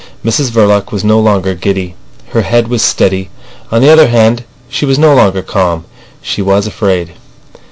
Mrs Verloc was no longer giddy. Her head was steady. On the other hand, she was no longer calm. She was afraid.